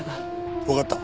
わかった。